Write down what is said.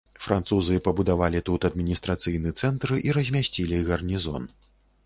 Французы пабудавалі тут адміністрацыйны цэнтр і размясцілі гарнізон.